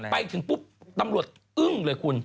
ไปถึงปุ๊บตำรวจอึ้งเลยคุณ